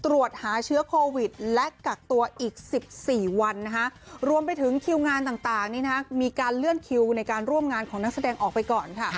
รวมไปถึงคิวงานต่างมีการเลื่อนคิวในการร่วมงานของนักแสดงออกไปก่อน